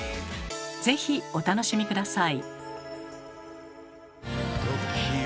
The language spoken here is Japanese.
是非お楽しみ下さい。